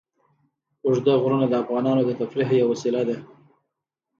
اوږده غرونه د افغانانو د تفریح یوه وسیله ده.